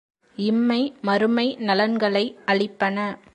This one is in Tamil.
இம்மை, மறுமை நலன்களை அளிப்பன.